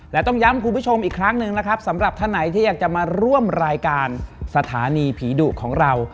และต้องย้ำคุณผู้ชมอีกครั้งหนึ่งนะครับสำหรับท่านไหนที่อยากจะมาร่วมรายการสถานีผีดุของเรา